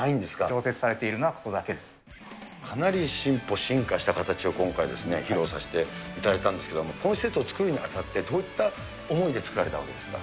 常設されているのはここだけかなり進歩、進化した形を今回、披露させていただいたんですけれども、この施設を作るにあたって、どういった思いで作られたわけですか？